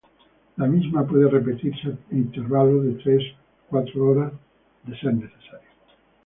La misma puede repetirse a intervalos de tres a cuatro horas de ser necesario.